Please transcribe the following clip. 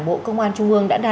đây ạ đồng cộng cồn đây ạ